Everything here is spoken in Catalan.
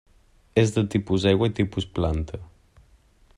És de tipus aigua i tipus planta.